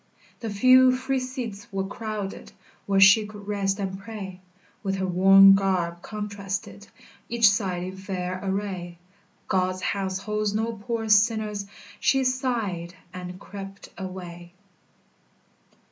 The few free seats were crowded Where she could rest and pray; With her worn garb contrasted Each side in fair array, "God's house holds no poor sinners," She sighed, and crept away.